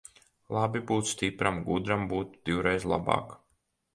Labi būt stipram, gudram būt divreiz labāk.